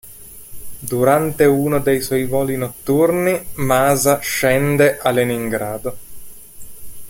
Durante uno dei suoi voli notturni Maša scende a Leningrado.